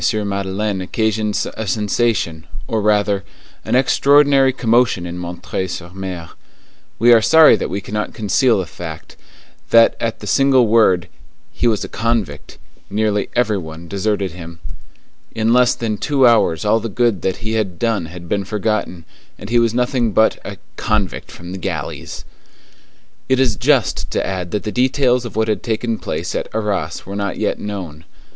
Madeleine occasioned a sensation, or rather, an extraordinary commotion in M. sur M. We are sorry that we cannot conceal the fact, that at the single word, "He was a convict," nearly every one deserted him. In less than two hours all the good that he had done had been forgotten, and he was nothing but a "convict from the galleys." It is just to add that the details of what had taken place at Arras were not yet known.